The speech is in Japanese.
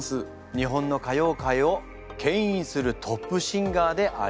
日本の歌謡界を牽引するトップシンガーであります。